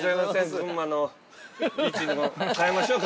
群馬の位置を変えましょうか？